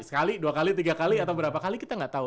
sekali dua kali tiga kali atau berapa kali kita nggak tahu